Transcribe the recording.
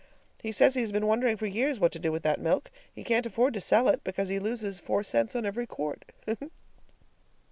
He says he has been wondering for years what to do with that milk. He can't afford to sell it, because he loses four cents on every quart!